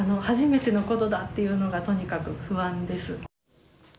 初めてのことだっていうのがとにかく不安です。